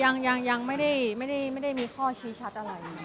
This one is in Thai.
ยังเลยค่ะยังไม่ได้ไหมได้ไม่ได้มีข้อชี้ชัดอะไร